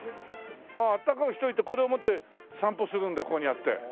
あああったかくしておいてこれを持って散歩するんだこういうふうにやって。